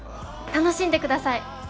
楽しんで下さい！